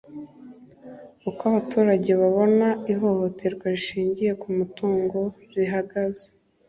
uko abaturage babona ihohoterwa rishingiye ku mutungo rihagaze